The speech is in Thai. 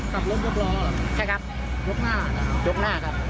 กลับรถยกล้อเหรอยกหน้าเหรอครับยกหน้าครับ